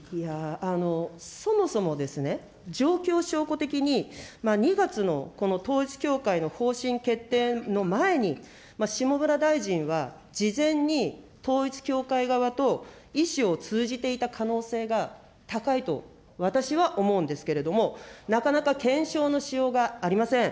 そもそもですね、状況証拠的に、２月のこの統一教会の方針決定の前に、下村大臣は事前に統一教会側と意思を通じていた可能性が高いと、私は思うんですけれども、なかなか検証のしようがありません。